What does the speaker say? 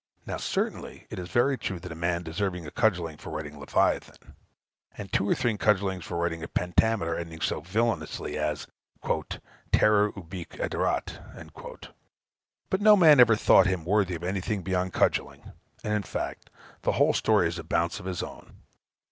Now, certainly, it is very true that a man deserved a cudgelling for writing Leviathan; and two or three cudgellings for writing a pentameter ending so villanously as "terror ubique aderat!" But no man ever thought him worthy of anything beyond cudgelling. And, in fact, the whole story is a bounce of his own.